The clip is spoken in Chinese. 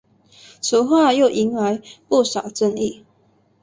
此话又引来不少争议。